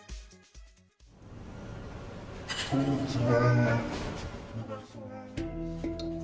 こんにちは。